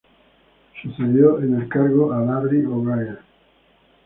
Sucedió en el cargo a Larry O'Brien.